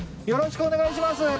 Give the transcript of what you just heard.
よろしくお願いします